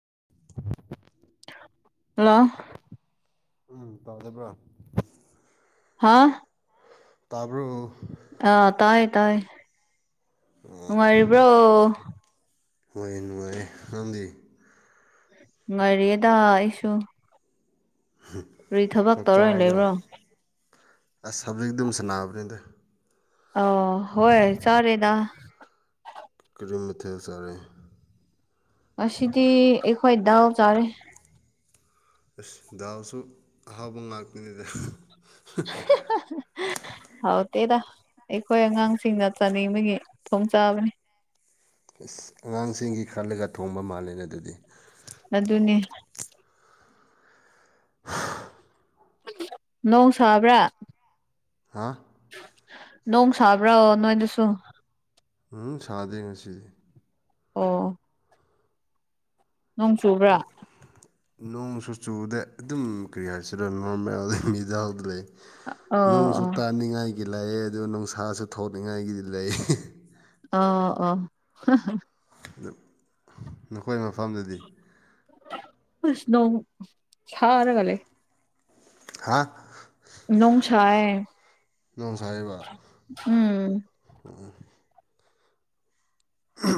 [inaudible] hello ꯎꯝ ꯇꯥꯖꯕ꯭ꯔꯥ ꯍꯥꯥ ꯇꯥꯕ ꯑꯥ ꯇꯥꯏ ꯇꯥꯏ ꯅꯨꯡꯉꯥꯏꯔꯤꯕ꯭ꯔꯣ ꯍ ꯅꯨꯡꯉꯥꯏ ꯑꯃꯗꯤꯗꯤ ꯉꯔꯤꯦꯗ ꯑꯩꯁꯨ ꯔꯤ ꯊꯕꯛ ꯆꯥꯛ ꯇꯧꯔꯣꯏ ꯆꯥꯔꯕ꯭ꯔꯥ ꯂꯩꯕ꯭ꯔꯣ ꯑꯁ ꯁꯕꯖꯦꯤ ꯑꯗꯨꯝ ꯁꯅꯥꯕꯅꯤꯗ ꯑ ꯍꯣꯏ ꯆꯔꯦꯗꯥ ꯀꯔꯤꯨꯝ ꯃꯊꯦꯜ ꯆꯥꯔꯦ ꯑꯁꯤꯁꯤꯗꯤ ꯑꯩꯋꯥꯏꯗꯥꯎ ꯆꯥꯔꯦ ꯑꯁ ꯗꯥꯎꯁꯨ ꯑꯍꯥꯎꯕ ꯉꯥꯛꯇ꯭ꯅꯤꯩꯗ ꯍꯥꯎ ꯇꯦꯗ ꯑꯩꯈꯣꯏ ꯑꯉꯥꯡꯁꯤꯡꯅ ꯆꯥꯅꯤꯡꯕꯒꯤ ꯈꯨꯗꯣꯡ ꯆꯥꯕꯅꯤ ꯑꯉꯥꯡꯁꯤꯡꯒꯤ ꯈꯜꯂꯒ ꯊꯣꯡꯕ ꯃꯥꯜꯂꯦ ꯑꯗꯨꯗꯤ ꯃꯗꯨꯅꯤ ꯅꯣꯡ ꯁꯥꯕ꯭ꯔꯥ ꯍꯥ ꯅꯣꯡ ꯁꯥꯕ꯭ꯔꯣ ꯅꯣꯏꯗꯨꯁꯨ ꯎꯝ ꯁꯥꯗꯦ ꯉꯁꯤꯗꯤ ꯑꯣ ꯅꯣꯡ ꯆꯨꯕ꯭ꯔꯥ ꯅꯣꯡꯁꯨ ꯆꯨꯕꯗ ꯑꯗꯨꯝ ꯀꯔꯤ ꯍꯥꯏꯁꯤꯗ ꯅꯣꯔꯃꯦꯜꯗ ꯃꯤꯗꯥꯗ ꯂꯩ ꯑꯣ ꯅꯨꯡꯁꯨ ꯑꯣ ꯇꯥꯅꯤꯡꯉꯥꯏꯒꯤ ꯂꯩꯑ ꯑꯗꯨꯒ ꯅꯨꯡꯁꯥꯁꯨ ꯊꯅꯤꯡꯉꯥꯏꯒꯤꯗꯤ ꯂꯩ ꯑ ꯑꯣ ꯅꯈꯣꯏ ꯃꯐꯝꯗꯗꯤ ꯁꯅꯣ ꯁꯔꯥꯒꯂꯦ ꯍꯥ ꯏꯣ ꯁꯥꯑ ꯅꯣꯡ ꯁꯥꯔꯤꯕ ꯎꯝ ꯑ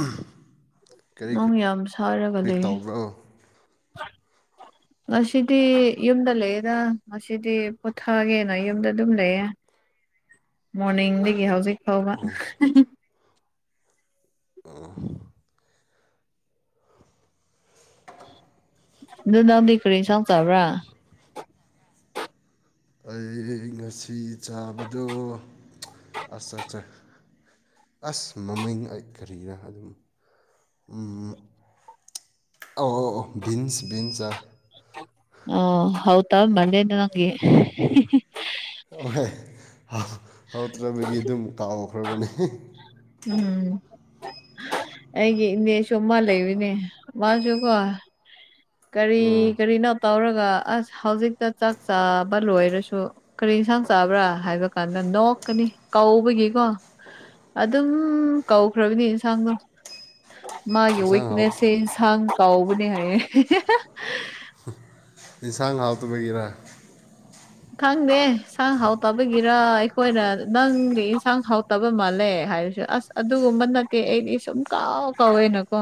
ꯅꯪ ꯌꯥꯝ ꯁꯥꯔꯒꯗꯤ ꯇꯧꯕ꯭ꯔꯣ ꯉꯁꯤꯗꯤ ꯌꯨꯝꯗ ꯂꯩꯌꯦꯦꯗ ꯉꯁꯤꯗꯤ ꯄꯨꯣꯊꯒꯦꯅ ꯌꯨꯝꯗ ꯑꯗꯨꯝ ꯂꯩꯌꯦꯦ ꯃꯣꯔꯅꯤꯡꯗꯒꯤ ꯍꯧꯖꯤꯛ ꯐꯥꯎꯕ ꯑ ꯗꯨ ꯅꯎꯗ ꯀꯔꯤ ꯁꯥꯎ ꯇꯕ꯭ꯔꯥ ꯑꯩ ꯉꯁꯤ ꯆꯥꯕꯗꯣ ꯑꯁ ꯑꯠꯁ ꯑꯁ ꯃꯃꯤꯡ ꯑꯩ ꯀꯔꯤꯅ ꯑꯗꯨꯝ ꯑ ꯕꯤꯟꯁ ꯕꯤꯟꯁꯥꯏ ꯑꯣ ꯍꯧꯥꯎ ꯇ ꯃꯟꯦꯗ ꯅꯪꯒꯤ ꯑꯍ ꯍꯥꯎꯗ꯭ꯔꯕꯒꯤ ꯑꯗꯨꯝ ꯀꯥꯎꯈ꯭ꯔꯕꯅꯦ ꯎꯝ ꯑꯩꯒꯤ ꯏꯅꯦꯁꯨ ꯃꯥ ꯂꯩꯔꯤꯅꯦ ꯃꯥꯁꯨꯀꯣ ꯀꯔꯤ ꯎꯝ ꯀꯔꯤꯅꯣ ꯇꯧꯔꯒ ꯑꯁ ꯍꯧꯖꯤꯛꯇ ꯆꯥꯛ ꯆꯥꯕ ꯂꯣꯏꯔꯁꯨ ꯀꯔꯤ ꯌꯦꯟꯁꯥꯡ ꯆꯥꯕ꯭ꯔꯥ ꯍꯥꯏꯕ ꯀꯥꯟꯗ ꯅꯣꯛꯀꯅꯤ ꯀꯥꯎꯕꯒꯤ ꯀꯣ ꯑꯗꯨꯝ ꯀꯧꯈ꯭ꯔꯕꯅꯤ ꯌꯦꯟꯁꯥꯡꯗꯣ ꯃꯥꯒꯤ ꯏꯟꯁꯥꯡ ꯍꯥꯎ ꯋꯤꯛꯅꯦꯁꯁꯦ ꯏꯟꯁꯥꯡ ꯀꯥꯎꯕꯅꯦ ꯍꯥꯏꯌꯦ ꯏꯟꯁꯥꯡ ꯍꯥꯎꯇꯕꯒꯔ ꯈꯪꯗꯦ ꯏꯟꯁꯥꯡ ꯍꯥꯎꯇꯕꯒꯤꯔ ꯑꯩꯈꯣꯏꯅ ꯅꯪꯗꯤ ꯏꯟꯁꯥꯡ ꯍꯥꯎꯇꯕ ꯃꯥꯜꯂꯦ ꯍꯥꯏꯔꯁꯨ ꯑꯁ ꯑꯗꯨꯒꯨꯝꯕ ꯅꯠꯇꯦ ꯑꯩꯗꯤ ꯁꯨꯝ ꯀꯥꯎ ꯀꯥꯎꯋꯦꯅꯀꯣ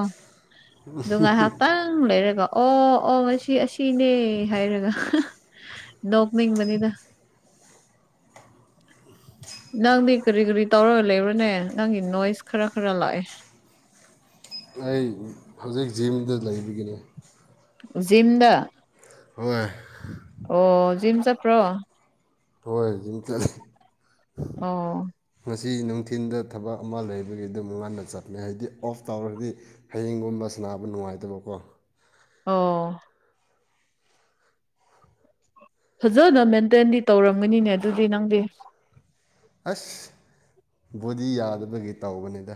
ꯅꯨꯡꯉꯥꯏ ꯍꯞꯇꯥꯡ ꯂꯩꯔꯒꯣ ꯑꯣ ꯑꯣ ꯉ ꯑꯁꯤꯅꯦ ꯍꯥꯏꯔꯒ ꯃꯤꯕꯅꯤꯗ ꯅꯪꯗꯤ ꯀꯔꯤ ꯀꯔꯤ ꯇꯧꯔꯒ ꯂꯩꯕ꯭ꯔꯅꯦ ꯅꯪꯒꯤ ꯅꯣꯏꯁ ꯈꯔ ꯈꯔ ꯂꯥꯛꯑꯦ [inaudible] ꯑꯩ ꯍꯧꯖꯤꯛ ꯖꯤꯝꯗ ꯂꯩꯕꯒꯤꯅꯦ ꯖꯤꯃꯗꯥ ꯍꯣꯏ ꯑꯣ ꯖꯤꯝ ꯆꯠꯞ꯭ꯔꯣ ꯍꯣꯏ ꯖꯤꯝ ꯆꯠꯂꯤ ꯑꯣ ꯃꯁꯤ ꯅꯨꯡꯊꯤꯟꯗ ꯊꯕꯛ ꯑꯃ ꯂꯩꯕꯒꯤ ꯑꯗꯨꯝꯛ ꯉꯟꯅ ꯆꯠꯃꯦ ꯍꯥꯏꯗꯤ ꯑꯣꯐ ꯇꯧꯔꯒꯗꯤ ꯍꯌꯦꯡꯒꯨꯝꯕ ꯁꯅꯥꯕ ꯅꯨꯡꯉꯥꯏꯇꯕꯀꯣ ꯑꯣ ꯐꯖꯅ ꯃꯦꯟꯇꯦꯟꯗꯤ ꯇꯧꯔꯝꯒꯅꯤꯅꯦ ꯑꯗꯨꯗꯤ ꯅꯪꯗꯤ ꯑꯁ ꯕꯣꯗꯤ ꯌꯥꯗꯕꯒꯤ ꯇꯧꯕꯅꯤꯗ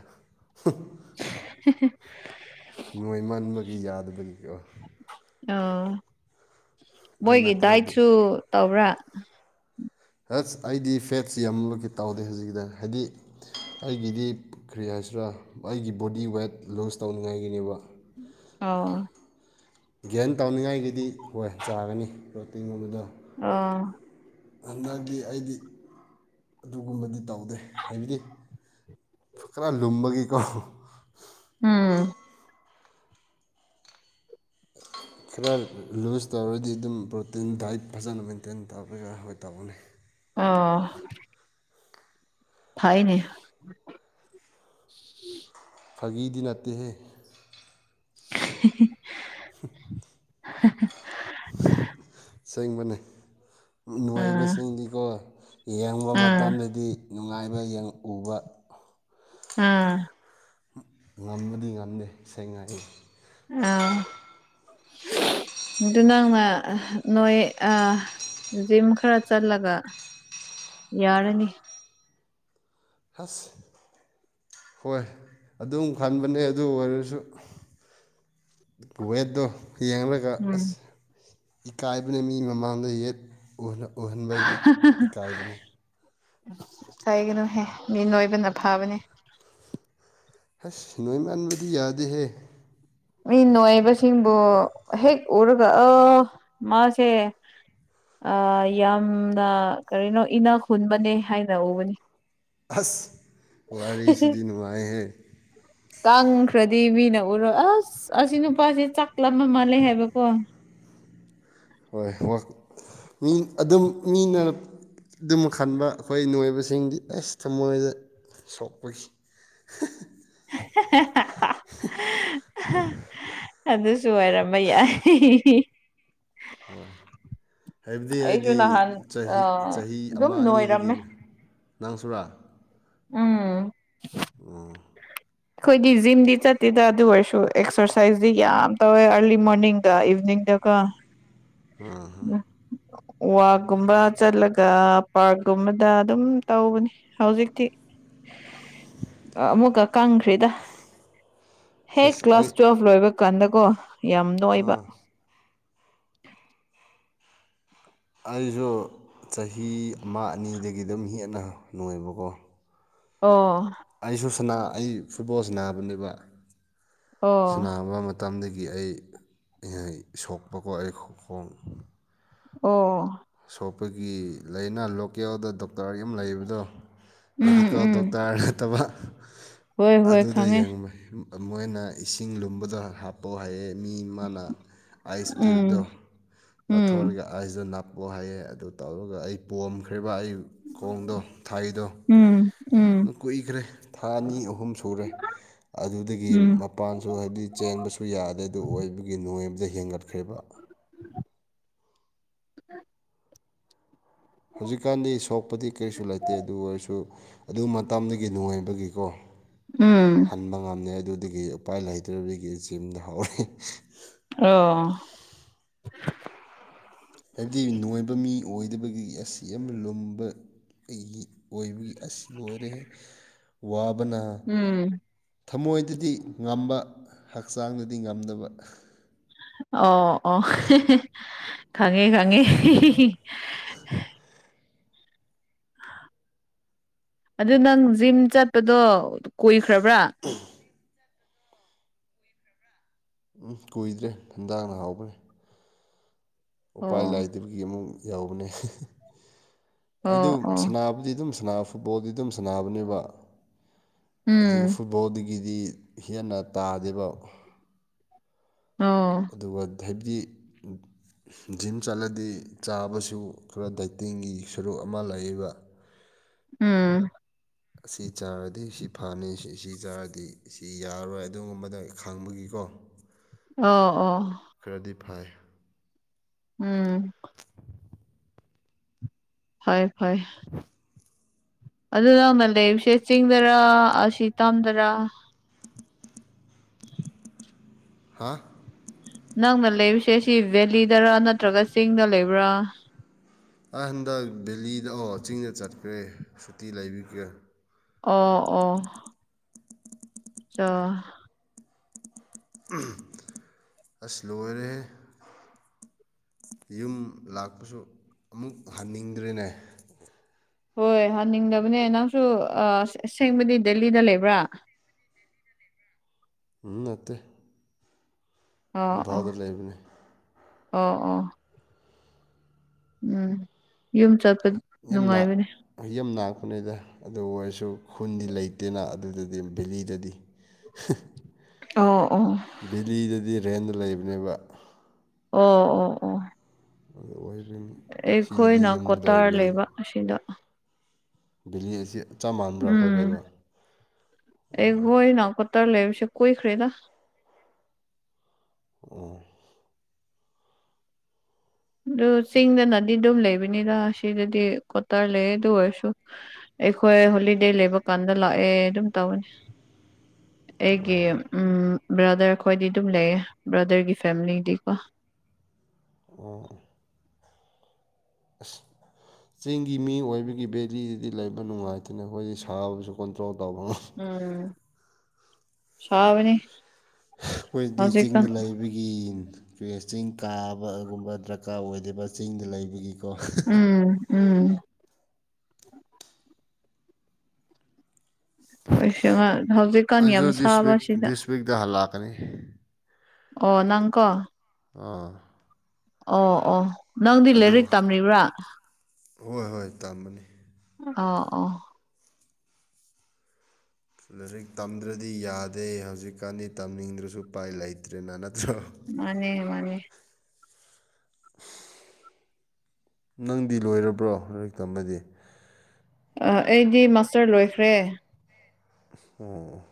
[unintelligible] ꯅꯣꯏ ꯃꯟꯕꯒꯤ ꯌꯥꯗꯕꯒꯤ ꯑꯣ ꯑꯗꯨ ꯃꯣꯏꯒꯤ ꯅꯠꯇ꯭ꯔꯗꯤ ꯗꯥꯏꯠꯁꯨ ꯇꯧꯕ꯭ꯔꯥ ꯍꯁ ꯑꯩꯗꯤ ꯐꯦꯠꯁꯤ ꯌꯥꯝꯂꯀꯤ ꯇꯥꯎꯗꯦ ꯍꯧꯖꯤꯛꯀꯤꯗ ꯍꯥꯏꯗꯤ ꯑꯩꯒꯤꯗꯤ ꯀ꯭ꯔꯤ ꯍꯥꯏꯁꯤꯔ ꯑꯩꯒꯤ ꯕꯣꯗꯤ ꯋꯦꯠ ꯂꯨꯖ ꯇꯧꯅꯤꯡꯉꯥꯏꯒꯤꯅꯦꯕ ꯑꯣ ꯒ꯭ꯌꯥꯟ ꯇꯧꯅꯤꯡꯉꯥꯏꯒꯤꯗꯤ ꯍꯣꯏ ꯆꯥꯒꯅꯤ ꯔꯣꯇꯤꯟꯒꯨꯝꯕꯗ ꯑꯥ ꯍꯟꯗꯛꯀꯤ ꯑꯩꯗꯤ ꯑꯗꯨꯒꯨꯝꯕꯗꯤ ꯇꯧꯗꯦ ꯍꯥꯏꯕꯗꯤ ꯈꯔ ꯂꯨꯝꯕꯒꯤꯀꯣ ꯎꯝ ꯈꯔ ꯂꯨꯖ ꯇꯧꯔꯗꯤ ꯑꯗꯨꯝ ꯄ꯭ꯔꯣꯇꯤꯟ ꯗꯥꯏꯠ ꯐꯖꯅ ꯃꯦꯟꯇꯦꯟ ꯇꯧꯔꯒ ꯑꯩꯣꯏ ꯇꯧꯒꯅꯤ ꯑꯥ ꯐꯥꯏꯅꯦ ꯐꯥꯒꯤꯗꯤ ꯅꯠꯇꯦꯍꯦ [unintelligible] [unintelligible] [unintelligible] ꯁꯦꯡꯕꯅꯦ ꯎꯝ ꯅꯨꯡꯉꯥꯏꯕꯁꯤꯡꯗꯤꯀꯣ ꯌꯦꯡꯕ ꯎꯝ ꯃꯇꯝꯗꯗꯤ ꯅꯨꯡꯉꯥꯏꯕ ꯎꯕ ꯑꯝ ꯉꯃꯗꯤ ꯉꯝꯗꯦ ꯁꯦꯡ ꯉꯥꯏ ꯑ ꯑꯗꯨ ꯅꯪꯅ ꯅꯣꯏ ꯖꯤꯝ ꯈꯔ ꯆꯠꯂꯒ ꯌꯥꯔꯅꯤ ꯍꯁ ꯍꯣꯏ ꯑꯗꯨꯝ ꯈꯟꯕꯅꯦ ꯑꯗꯨ ꯑꯣꯏꯔꯁꯨ ꯀꯨꯋꯦꯠꯗ ꯌꯦꯡꯂꯒ ꯎꯝ ꯑꯁ ꯏꯀꯥꯏꯕꯅ ꯃꯤ ꯃꯃꯥꯡꯗ ꯌꯦꯠ ꯎꯅ ꯎꯍꯟꯕ ꯏꯀꯥꯏꯕꯅꯤ ꯀꯥꯏꯒꯅꯨꯍꯦ ꯃꯤ ꯅꯣꯏꯕꯅ ꯐꯥꯕꯅꯦ ꯍꯁ ꯅꯣꯏ ꯃꯥꯟꯕꯗꯤ ꯌꯥꯗꯦꯍꯦ ꯃꯤ ꯅꯣꯏꯏꯕꯁꯤꯡꯕꯨ ꯍꯦꯛ ꯎꯔꯒ ꯑ ꯃꯥꯁꯦ ꯑ ꯌꯥꯝꯅ ꯀꯔꯤꯅꯣ ꯏꯅ ꯈꯨꯟꯕꯅꯦ ꯍꯥꯏꯅ ꯎꯕꯅꯤ ꯑꯁ ꯋꯥꯔꯦ ꯁꯤꯗꯤꯟꯅꯨꯡꯃꯥꯏꯍꯦ ꯇꯪꯈ꯭ꯔꯗꯤ ꯃꯤꯅ ꯎꯔꯣ ꯑꯁ ꯑꯁꯤ ꯅꯨꯄꯥꯁꯦ ꯆꯥꯛꯂꯝꯕ ꯃꯥꯜꯂꯦ ꯍꯥꯏꯕꯀꯣ ꯍꯣꯏ ꯍ ꯃꯤ ꯑꯗꯨꯝ ꯃꯤꯅ ꯑꯗꯨꯝ ꯈꯟꯕ ꯑꯩꯈꯣꯏ ꯅꯣꯏꯕꯁꯤꯡꯗꯤ ꯑꯁ ꯊꯃꯣꯏꯗ ꯁꯣꯛꯄꯒꯤ [inaudible] ꯑꯗꯨ ꯁ ꯑꯣꯏꯔꯝꯕ ꯌꯥꯏ ꯍꯣꯏ ꯍꯥꯏꯕꯗꯤ ꯑꯩꯁꯨ ꯑꯩꯗꯤ ꯅꯍꯥꯟ ꯆꯍꯤ ꯆꯍꯤ ꯑꯗꯨꯝ ꯑꯃ ꯑꯅꯤꯗꯒꯤ ꯅꯣꯏꯔꯝꯃꯦ ꯅꯪꯁꯨꯨꯔꯥ ꯎꯝ ꯑ ꯑꯩꯈꯣꯏꯗꯤ ꯖꯤꯝꯗꯤ ꯆꯠꯇꯦꯗ ꯑꯗꯨ ꯑꯣꯏꯔꯁꯨ ꯑꯦꯛꯁꯔꯁꯥꯏꯁꯇ ꯌꯥꯝ ꯇꯧꯋꯦ ꯑꯔꯂꯤ ꯃꯣꯔꯅꯤꯡꯒ ꯏꯚꯅꯤꯡ ꯏꯗꯀꯣ ꯑ ꯍ ꯋꯥꯛꯀꯨꯝꯕ ꯆꯠꯂꯒ ꯄꯥꯔꯛꯀꯨꯝꯕꯗ ꯑꯗꯨꯝ ꯇꯧꯕꯅꯤ ꯍꯧꯖꯤꯛꯇꯤ ꯑꯃꯨꯛꯀ ꯀꯪꯈ꯭ꯔꯔꯤꯗ ꯍꯦꯛ ꯁꯦꯁ ꯑꯩ ꯀ꯭ꯂꯥꯁ ꯇꯨꯋꯦꯜꯕ ꯂꯣꯏꯕ ꯍꯧꯀꯥꯟꯗꯀꯣ ꯌꯥꯝ ꯑꯣꯏꯕ [inaudible] ꯑꯩꯁꯨ ꯆꯍꯤ ꯑꯃ ꯑꯅꯤꯗꯒꯤ ꯑꯗꯨꯝ ꯍꯦꯟꯅ ꯅꯣꯏꯣꯏꯕꯀꯣ ꯑꯣ ꯑꯩꯁꯨ ꯑꯩ ꯐꯨꯠꯕꯣꯜ ꯁꯕꯅꯦꯕ ꯑꯣ ꯁꯕ ꯃꯇꯝꯗꯒꯤ ꯒꯤ ꯑꯩ ꯁꯣꯛꯄꯀꯣ ꯑꯩꯣꯡ ꯑꯣ ꯁꯣꯛꯄꯒꯤ ꯂꯩꯅ ꯂꯣꯀꯦꯜꯗ ꯗꯣꯛꯇꯔ ꯑꯃ ꯂꯩꯕꯗꯣ ꯎꯝ ꯃꯦꯗꯤꯀꯦꯜ ꯎꯝ ꯗꯣꯛꯇꯔ ꯅꯠꯇꯕ ꯍꯣꯏ ꯍꯣꯏ ꯑꯗꯨꯗ ꯈꯪꯉꯦ ꯌꯦꯡꯕ ꯃꯣꯏꯅ ꯏꯁꯤꯡ ꯂꯨꯝꯕꯗꯣ ꯍꯥꯞꯄ ꯍꯥꯏꯌꯦ ꯃꯤ ꯃꯥꯅ ꯑꯥꯏꯁ ꯎꯝ ꯀ꯭ꯌꯨꯕꯗꯣ ꯎꯝ ꯂꯥꯊꯣꯛꯔꯒ ꯑꯥꯏꯁꯇꯣ ꯅꯥ ꯂꯥꯛꯄꯣ ꯍꯥꯏꯌꯦ ꯑꯗꯨ ꯇꯧꯔꯒ ꯑꯩ ꯄꯣꯑꯝꯈ꯭ꯔꯤꯕ ꯑꯩ ꯈꯣꯡꯗꯣ ꯊꯥꯏꯗꯣ ꯎꯝ ꯎꯝ ꯅ ꯀꯨꯏꯈ꯭ꯔꯦ ꯊꯥ ꯑꯅꯤ ꯑꯍꯨꯝ ꯁꯨꯔꯦ ꯑꯗꯨꯗꯒꯤ ꯎꯝ ꯃꯄꯥꯟꯁꯨ ꯍꯥꯏꯕꯗꯤ ꯆꯦꯟꯕꯁꯨ ꯌꯥꯗꯦ ꯑꯗꯨ ꯑꯣꯏꯕꯒꯤ ꯅꯨꯡꯉꯕꯖꯩ ꯍꯦꯟꯒꯠꯈ꯭ꯔꯤꯕ ꯑ ꯍꯧꯖꯤꯛꯀꯥꯟꯗꯤ ꯁꯣꯛꯄꯗꯤ ꯀꯔꯤꯁꯨ ꯂꯩꯇꯦ ꯑꯗꯨ ꯑꯣꯏꯔꯁꯨ ꯑꯗꯨ ꯃꯇꯝꯗꯨꯒꯤ ꯅꯨꯡꯉꯥꯏꯕꯒꯤꯀꯣ ꯎꯝ ꯍꯟꯕ ꯉꯝꯃꯦ ꯑꯗꯨ ꯑꯗꯒꯤ ꯎꯄꯥꯏ ꯍꯩꯇ꯭ꯔꯕꯗꯒꯤ ꯑꯆꯦꯝꯗ ꯍꯥꯎꯔ ꯑꯣ ꯍꯥꯏꯕꯗꯤ ꯅꯣꯏꯕ ꯃꯤ ꯑꯣꯏꯗꯕꯒꯤ ꯑꯁꯤ ꯌꯥꯝ ꯂꯨꯝꯕ ꯑꯩ ꯑꯣꯏꯕꯒꯤ ꯑꯁꯤ ꯑꯣꯏꯔꯦ ꯋꯥ ꯑꯗꯨꯅ ꯎꯝ ꯊꯃꯣꯏꯗꯗꯤ ꯉꯝꯕ ꯍꯛꯆꯥꯡꯗꯗꯤ ꯉꯝꯗꯕ ꯑꯣ ꯑꯣ ꯈꯉꯦ ꯈꯉꯦ [inaudible] ꯑꯗꯨ ꯅꯪ ꯖꯤꯝ ꯆꯠꯄꯗꯣ ꯀꯣꯏꯈ꯭ꯔꯕ꯭ꯔꯥ ꯎꯝ ꯀꯨꯏꯗ꯭ꯔꯦ ꯍꯟꯖꯥꯡꯅ ꯍꯥꯎꯕ꯭ꯔꯅꯦ ꯎꯄꯥꯏ ꯑꯣ ꯂꯥꯏꯗꯕꯒꯤ ꯑꯃꯨꯛ ꯌꯥꯎꯕꯅꯦ ꯑꯗꯨ ꯑꯣ ꯑꯣ ꯁꯅꯥꯕꯨꯗꯤ ꯑꯗꯨꯝ ꯐꯨꯠꯕꯣꯜꯗꯤ ꯑꯗꯨꯝ ꯁꯥꯟꯅꯕꯅꯦꯕ ꯑꯗꯨ ꯎꯝ ꯐꯨꯠꯕꯣꯜꯗꯒꯤ ꯗꯤ ꯍꯦꯟꯅ ꯇꯥꯗꯦꯕ ꯑꯣ ꯑꯗꯨꯒ ꯍꯥꯏꯕꯤꯗꯤ ꯖꯤꯝ ꯆꯠꯂꯗꯤ ꯆꯥꯕꯁꯨ ꯈꯔ ꯗꯥꯏꯇꯤꯡꯒꯤ ꯁꯔꯨꯛ ꯑꯃ ꯂꯩꯌꯦꯕ ꯎꯝ ꯑꯁꯤ ꯆꯥꯔꯗꯤ ꯁꯤ ꯐꯅꯤ ꯁꯤ ꯆꯥꯔꯗꯤ ꯁꯤ ꯌꯥꯔꯔꯣꯏ ꯑꯗꯨꯒꯨꯝꯕꯗ ꯈꯪꯕꯒꯤꯀꯣ ꯑꯣ ꯑꯣ ꯑꯣ ꯈꯔꯗꯤ ꯐꯥꯏ ꯎꯝ ꯍꯣꯏ ꯍꯣꯏ ꯑꯗꯨ ꯅꯅ ꯂꯩꯕꯁꯦ ꯆꯤꯡꯗꯔꯥ ꯑꯁꯤ ꯇꯥꯝꯗꯔꯥ ꯍꯥꯥ ꯅꯪꯅ ꯂꯩꯔꯤꯁꯦ ꯁꯤ ꯚꯦꯂꯤꯗꯔ ꯅꯠꯇ꯭ꯔꯒ ꯆꯤꯡꯗ ꯂꯩꯕ꯭ꯔꯥ ꯑꯩ ꯀꯦ ꯁꯨꯇꯤ ꯂꯩꯕꯤꯒꯦ ꯑꯣ ꯑꯣ ꯆ ꯑꯁ ꯂꯣꯏꯔꯦ ꯌꯨꯝ ꯂꯥꯛꯄꯁꯨ ꯑꯃꯨꯛ ꯍꯟꯅꯤꯡꯗ꯭ꯔꯦꯅꯦ ꯍꯣꯏ ꯍꯅꯤꯡꯗꯕꯅꯦ ꯅꯪꯁꯨ ꯑꯁꯦꯡꯕꯗꯤ ꯗꯦꯜꯂꯤꯗ ꯂꯩꯕ꯭ꯔꯥ [unintelligible] [unintelligible] ꯎꯠꯇ ꯑꯣ ꯑꯣ ꯝꯐꯥꯎꯗ ꯂꯩꯕꯅꯤ ꯑꯣ ꯑꯣ ꯎꯝ ꯌꯨꯝ ꯆꯠ ꯌ ꯌ ꯅꯥꯛꯄꯅꯤꯗ ꯑꯗꯨ ꯑꯣꯏꯔꯁꯨ ꯈꯨꯟꯗꯤ ꯂꯩꯇꯦꯅ ꯑꯗꯨꯗꯨꯗꯤ ꯑꯩ ꯕꯦꯂꯤꯗꯗꯤ ꯑꯣ ꯑꯣ ꯚꯦꯂꯤꯗꯗꯤ ꯔꯦꯟꯗ ꯂꯩꯕꯅꯦꯕ ꯑꯣ ꯑꯣ ꯑꯣ ꯑ ꯋꯥꯏ ꯑꯩꯈꯣꯏꯅ ꯀꯣꯇꯥꯔ ꯂꯩꯕ ꯑꯁꯤꯗ ꯚꯦꯂꯤ ꯑꯁꯤ ꯆꯞ ꯃꯥꯟꯕ꯭ꯔꯥ ꯑꯩꯈꯣꯏ ꯎꯝ ꯂꯩꯕ ꯑꯣ ꯎꯠꯇꯔ ꯂꯩꯦꯕꯤꯁ ꯀꯣꯏ ꯈꯔꯤꯗꯥ ꯑꯣ ꯑꯗꯨ ꯆꯤꯡꯗꯅꯗꯤ ꯑꯗꯨꯝ ꯂꯩꯕꯅꯤꯔ ꯁꯤꯗꯗꯤ ꯀꯣꯇꯔ ꯂꯩ ꯑꯗꯨ ꯑꯣꯏꯔꯁꯨ ꯑꯩꯈꯣꯏ ꯍꯣꯂꯤꯗꯦ ꯂꯩꯕ ꯀꯥꯟꯗ ꯂꯥꯛꯑꯦ ꯑꯗꯨꯝ ꯇꯧꯧꯕꯅꯤ ꯑꯩꯒꯤ ꯎꯝ ꯕ꯭ꯔꯥꯗꯔ ꯑꯩꯈꯣꯏꯗꯤ ꯑꯗꯨꯝ ꯂꯩꯌꯦ ꯕ꯭ꯔꯗꯔꯒꯤ ꯐꯦꯃꯤꯂꯤꯗꯤꯀꯣ ꯑꯣ ꯑ ꯆꯤꯡꯒꯤ ꯃꯤ ꯑꯣꯏꯕꯒꯤ ꯕꯦꯂꯤꯗꯨꯗꯤ ꯂꯩꯕ ꯅꯨꯡꯉꯥꯏꯇꯅ ꯑꯩꯈꯣꯏꯗꯤ ꯁꯥꯕꯁꯨ ꯀꯣꯟꯇ꯭ꯔꯣꯜ ꯇ ꯎꯝ ꯁꯥꯕꯅꯤ ꯑꯩꯈꯣꯏꯗꯤ ꯍꯧꯖꯤꯛꯀꯥꯟ ꯆꯤꯡꯗ ꯂꯩꯕꯒꯤ ꯀꯦꯁ ꯆꯤꯡ ꯀꯥꯕꯒꯨꯝꯕ ꯗꯔꯀꯥꯔ ꯑꯣꯏꯗꯦꯕ ꯆꯤꯡꯗ ꯂꯩꯕꯒꯤꯀꯣ ꯎꯝ ꯎꯝ ꯑꯩꯩꯁ ꯍꯧꯖꯤꯛꯀꯥꯟ ꯌꯥꯝ ꯁꯥꯕ ꯁꯤꯗ ꯑꯅꯤ ꯑꯣ ꯅꯪꯀꯣ ꯑꯥ ꯑꯣ ꯑꯣ ꯅꯪꯗꯤ ꯑꯗꯨ ꯂꯥꯏꯔꯤꯛ ꯇꯝꯂꯤꯕ꯭ꯔꯥ ꯍꯣꯏ ꯍꯣꯏ ꯇꯥꯝꯕꯅꯤ ꯑ ꯑꯣ ꯂꯥꯏꯔꯤꯛ ꯇꯝꯗ꯭ꯔꯗꯤ ꯌꯥꯗꯦ ꯍꯧꯖꯤꯛꯀꯥꯟꯗꯤ ꯇꯝꯅꯤꯡꯗ꯭ꯔꯁꯨ ꯎꯄꯥꯏ ꯂꯩꯇ꯭ꯔꯦꯅ ꯅꯠꯇ꯭ꯔꯣ ꯃꯥꯅꯦ ꯃꯥꯅꯦ ꯅꯪꯗꯤ ꯂꯣꯏꯔꯕ꯭ꯔꯣ ꯂꯥꯏꯔꯤꯛ ꯇꯝꯕꯗꯤ ꯑꯩꯗꯤ ꯃꯥꯁꯇꯔ ꯂꯣꯏꯈ꯭ꯔꯦ ꯑꯣ